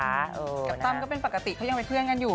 กับตั้มก็เป็นปกติเขายังเป็นเพื่อนกันอยู่